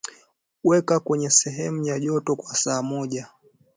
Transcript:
weka kwenye sehemu ya joto kwa saa moja